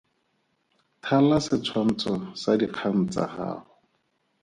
Thala setshwantsho sa dikgang tsa gago.